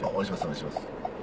お願いします。